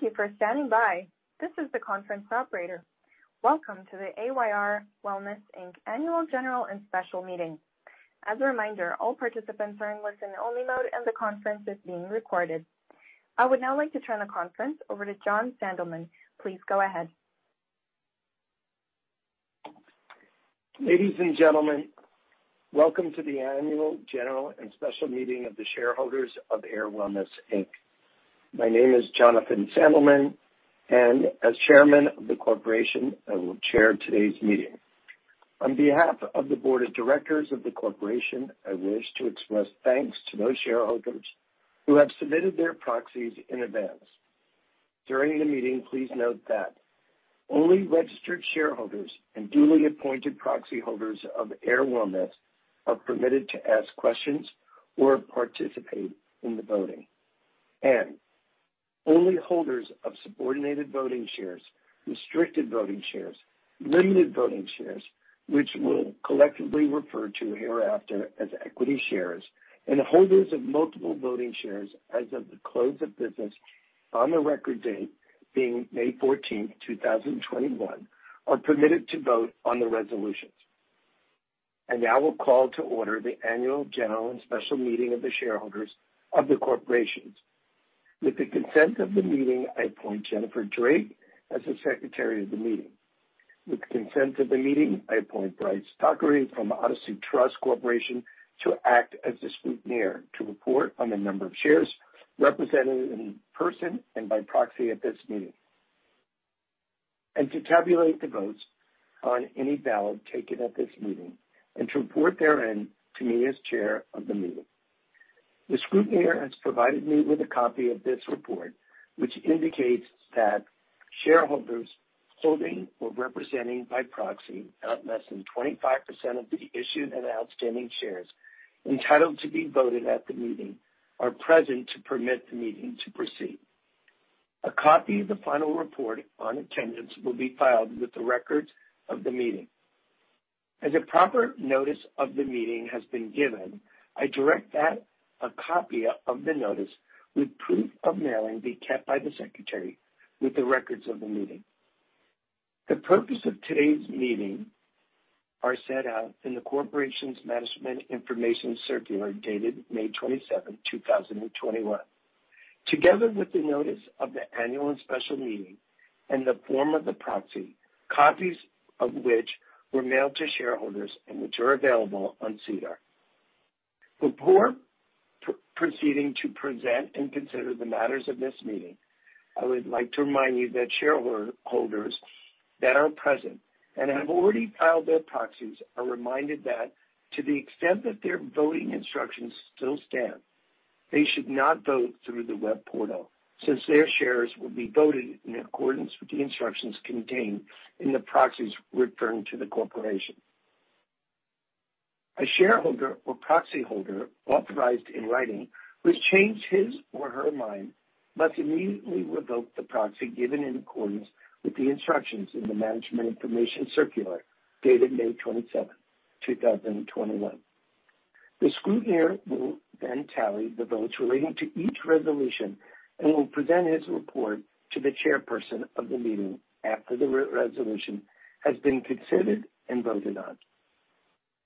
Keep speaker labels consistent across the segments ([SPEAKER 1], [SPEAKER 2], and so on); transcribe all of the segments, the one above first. [SPEAKER 1] Thank you for standing by. This is the conference operator. Welcome to the Ayr Wellness, Inc Annual General and Special Meeting. As a reminder, all participants are in listen-only mode, and the conference is being recorded. I would now like to turn the conference over to Jon Sandelman. Please go ahead.
[SPEAKER 2] Ladies and gentlemen, welcome to the Annual General and Special Meeting of the Shareholders of Ayr Wellness, Inc. My name is Jonathan Sandelman, and as chairman of the corporation, I will chair today's meeting. On behalf of the Board of Directors of the corporation, I wish to express thanks to those shareholders who have submitted their proxies in advance. During the meeting, please note that only registered shareholders and duly appointed proxy holders of Ayr Wellness are permitted to ask questions or participate in the voting, and only holders of Subordinate Voting Shares, Restricted Voting Shares, Limited Voting Shares, which we'll collectively refer to hereafter as Equity Shares, and holders of Multiple Voting Shares as of the close of business on the record date being May 14th, 2021, are permitted to vote on the resolutions. I now will call to order the Annual General and Special Meeting of the Shareholders of the corporations. With the consent of the meeting, I appoint Jennifer Drake as the Secretary of the meeting. With the consent of the meeting, I appoint Bryce Docherty from Odyssey Trust Company to act as the Scrutineer to report on the number of shares represented in person and by proxy at this meeting, and to tabulate the votes on any ballot taken at this meeting, and to report therein to me as Chair of the meeting. The scrutineer has provided me with a copy of this report, which indicates that shareholders holding or representing by proxy not less than 25% of the issued and outstanding shares entitled to be voted at the meeting are present to permit the meeting to proceed. A copy of the final report on attendance will be filed with the records of the meeting. As a proper notice of the meeting has been given, I direct that a copy of the notice with proof of mailing be kept by the secretary with the records of the meeting. The purpose of today's meeting are set out in the corporation's Management Information Circular dated May 27th, 2021, together with the Notice of the Annual and Special Meeting and the Form of the Proxy, copies of which were mailed to shareholders and which are available on SEDAR. Before proceeding to present and consider the matters of this meeting, I would like to remind you that shareholders that are present and have already filed their proxies are reminded that to the extent that their voting instructions still stand, they should not vote through the web portal, since their shares will be voted in accordance with the instructions contained in the proxies referring to the corporation. A shareholder or proxy holder authorized in writing who has changed his or her mind must immediately revoke the proxy given in accordance with the instructions in the Management Information Circular dated May 27th, 2021. The scrutineer will then tally the votes relating to each resolution and will present his report to the chairperson of the meeting after the resolution has been considered and voted on.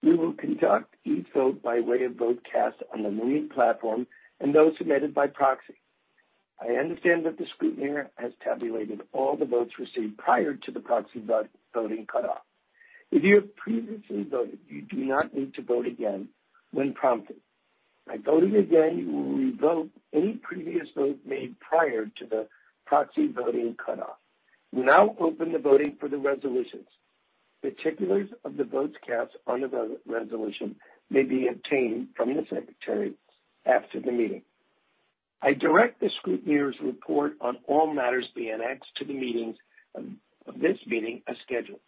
[SPEAKER 2] We will conduct each vote by way of votes cast on the Lumi platform and those submitted by proxy. I understand that the scrutineer has tabulated all the votes received prior to the proxy voting cutoff. If you have previously voted, you do not need to vote again when prompted. By voting again, you will revoke any previous vote made prior to the proxy voting cutoff. We now open the voting for the resolutions. Particulars of the votes cast on a resolution may be obtained from the secretary after the meeting. I direct the scrutineer's report on all matters be annexed to this meeting as scheduled.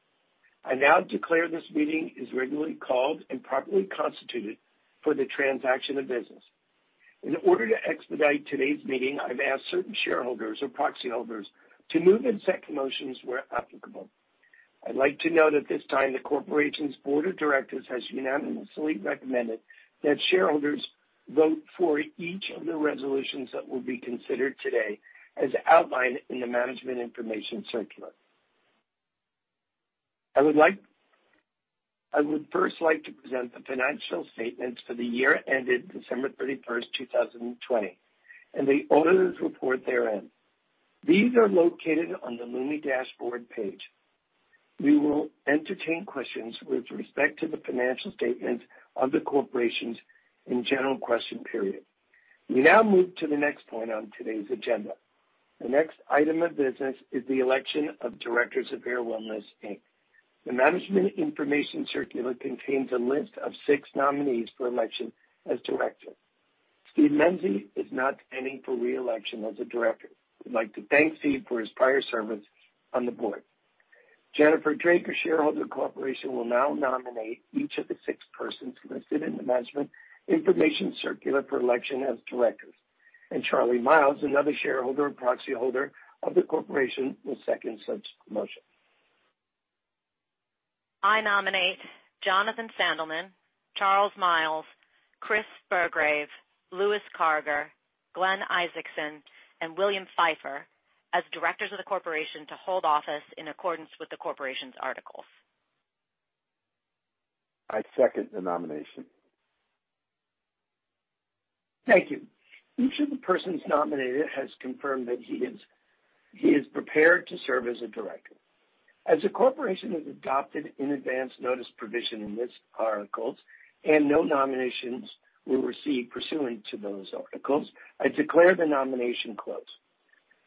[SPEAKER 2] I now declare this meeting is regularly called and properly constituted for the transaction of business. In order to expedite today's meeting, I've asked certain shareholders or proxy holders to move and second motions where applicable. I'd like to note at this time, the corporation's Board of Directors has unanimously recommended that shareholders vote for each of the resolutions that will be considered today as outlined in the Management Information Circular. I would first like to present the financial statements for the year ended December 31st, 2020, and the auditor's report therein. These are located on the Lumi dashboard page. We will entertain questions with respect to the financial statements of the corporations in general question period. We now move to the next point on today's agenda. The next item of business is the election of directors of Ayr Wellness, Inc. The Management Information Circular contains a list of six nominees for election as directors. Steve Menzies is not standing for re-election as a director. We'd like to thank Steve for his prior service on the board. Jennifer Drake of Shareholder orporation will now nominate each of the six persons listed in the Management Information Circular for election as directors. Charlie Miles, another shareholder and proxy holder of the corporation, will second such a motion.
[SPEAKER 3] I nominate Jonathan Sandelman, Charles Miles, Chris Burggraeve, Louis Karger, Glenn Isaacson, and William Pfeiffer as directors of the corporation to hold office in accordance with the corporation's articles.
[SPEAKER 4] I second the nomination.
[SPEAKER 2] Thank you. Each of the persons nominated has confirmed that he is prepared to serve as a director. As the corporation has adopted an advance notice provision in its articles, and no nominations were received pursuant to those articles, I declare the nomination closed.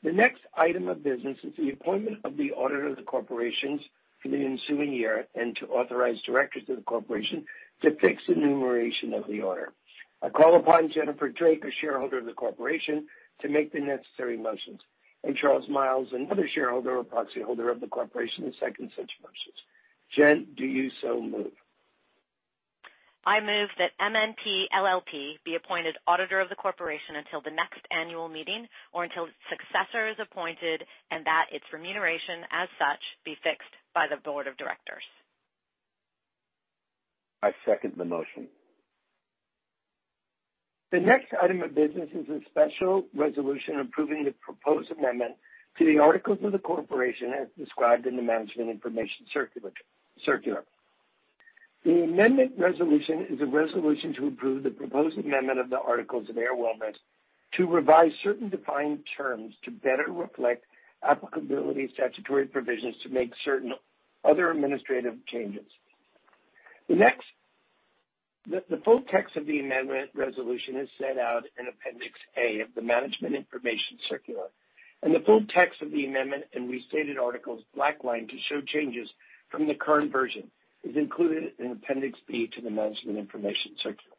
[SPEAKER 2] The next item of business is the appointment of the auditor of the corporation for the ensuing year and to authorize directors of the corporation to fix the remuneration of the auditor. I call upon Jennifer Drake, a shareholder of the corporation, to make the necessary motions, and Charles Miles, another shareholder or proxy holder of the corporation, to second such motions. Jen, do you so move?
[SPEAKER 3] I move that MNP LLP be appointed auditor of the corporation until the next annual meeting or until its successor is appointed, and that its remuneration as such be fixed by the Board of Directors.
[SPEAKER 4] I second the motion.
[SPEAKER 2] The next item of business is a special resolution approving the proposed amendment to the articles of the corporation as described in the Management Information Circular. The Amendment Resolution is a resolution to approve the proposed amendment of the articles of Ayr Wellness to revise certain defined terms to better reflect applicability statutory provisions to make certain other administrative changes. The full text of the Amendment Resolution is set out in Appendix A of the Management Information Circular, and the full text of the amendment and restated articles blackline to show changes from the current version is included in Appendix B to the Management Information Circular.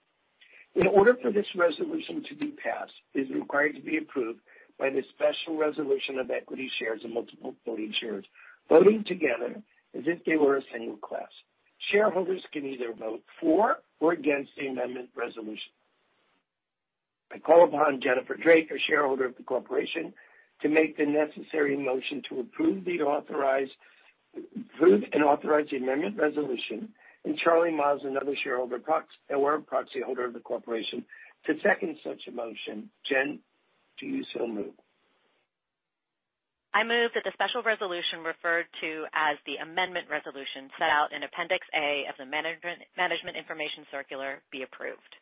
[SPEAKER 2] In order for this resolution to be passed, it is required to be approved by the special resolution of Equity Shares and Multiple Voting Shares, voting together as if they were a single class. Shareholders can either vote for or against the Amendment Resolution. I call upon Jennifer Drake, a shareholder of the corporation, to make the necessary motion to approve and authorize the Amendment Resolution, and Charlie Miles, another shareholder or proxy holder of the corporation, to second such a motion. Jen, do you so move?
[SPEAKER 3] I move that the special resolution referred to as the Amendment Resolution set out in Appendix A of the Management Information Circular be approved.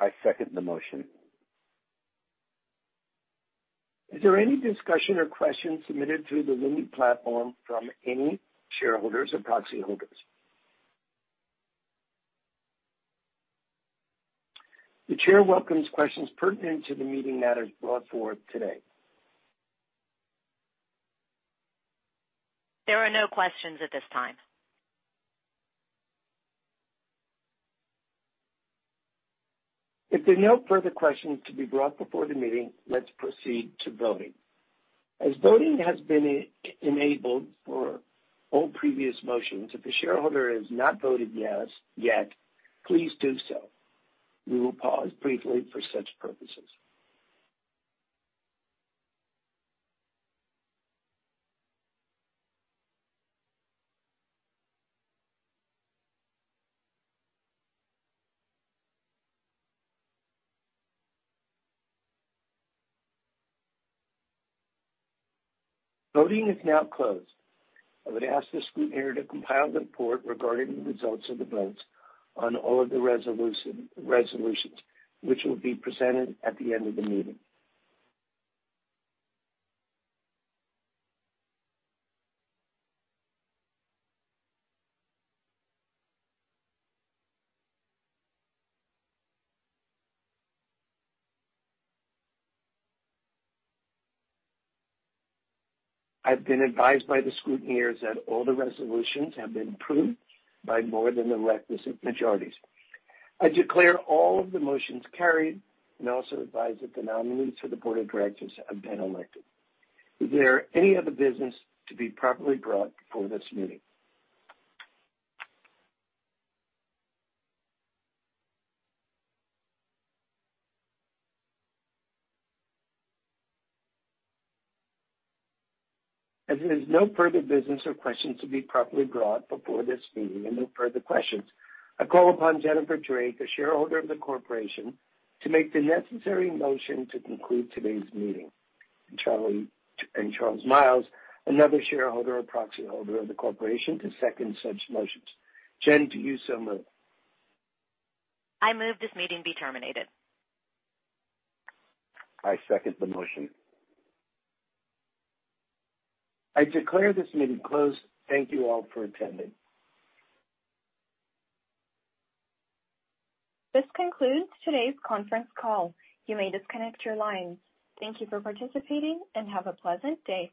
[SPEAKER 4] I second the motion.
[SPEAKER 2] Is there any discussion or questions submitted through the Lumi platform from any shareholders or proxy holders? The chair welcomes questions pertinent to the meeting matters brought forth today.
[SPEAKER 3] There are no questions at this time.
[SPEAKER 2] If there are no further questions to be brought before the meeting, let's proceed to voting. As voting has been enabled for all previous motions, if a shareholder has not voted yes yet, please do so. We will pause briefly for such purposes. Voting is now closed. I would ask the scrutineer to compile the report regarding the results of the votes on all of the resolutions, which will be presented at the end of the meeting. I've been advised by the scrutineers that all the resolutions have been approved by more than the requisite majorities. I declare all of the motions carried and also advise that the nominees for the Board of Directors have been elected. Is there any other business to be properly brought before this meeting? As there is no further business or questions to be properly brought before this meeting and no further questions, I call upon Jennifer Drake, a shareholder of the corporation, to make the necessary motion to conclude today's meeting, and Charles Miles, another shareholder or proxy holder of the corporation, to second such motions. Jen, do you so move?
[SPEAKER 3] I move this meeting be terminated.
[SPEAKER 4] I second the motion.
[SPEAKER 2] I declare this meeting closed. Thank you all for attending.
[SPEAKER 1] This concludes today's conference call. You may disconnect your lines. Thank you for participating, and have a pleasant day.